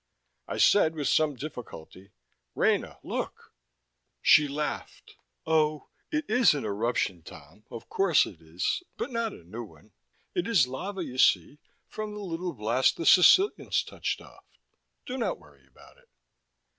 I said, with some difficulty, "Rena, look!" She laughed. "Oh, it is an eruption, Tom. Of course it is. But not a new one. It is lava, you see, from the little blast the Sicilians touched off. Do not worry about it...."